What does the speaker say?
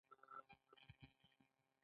همدارنګه د مادي وسایلو په ویش بحث کوي.